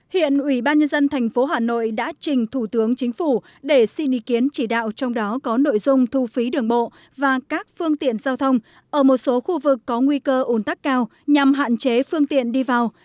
hiện ủy ban nhân dân thành phố hà nội đã trình thủ tướng chính phủ để xin ý kiến chỉ đạo trong đó có nội dung thu phí đường bộ và các phương tiện giao thông ở một số khu vực có nguy cơ ủn tắc cao nhằm hạn chế phương tiện đi vào